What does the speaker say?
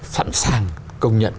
sẵn sàng công nhận